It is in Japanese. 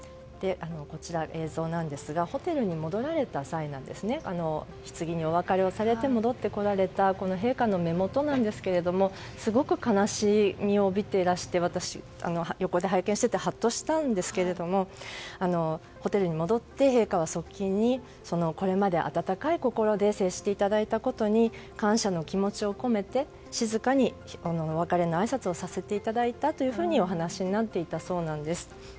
こちら、映像なんですがホテルに戻られた際ひつぎにお別れをされて戻ってこられたこの陛下の目元なんですがすごく悲しみを帯びていらして私、横で拝見していてはっとしたんですけどもホテルに戻って陛下は側近にこれまで温かい心で接していただいたことに感謝の気持ちを込めて静かにお別れのあいさつをさせていただいたとお話になっていたそうです。